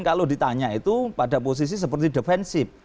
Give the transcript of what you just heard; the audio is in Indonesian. kalau ditanya itu pada posisi seperti defensif